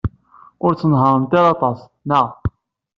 Ur tnehhṛemt ara aṭas, naɣ?